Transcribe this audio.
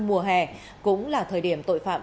mùa hè cũng là thời điểm tội phạm